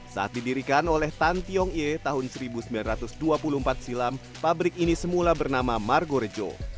saat didirikan oleh tan tiong ye tahun seribu sembilan ratus dua puluh empat silam pabrik ini semula bernama margorejo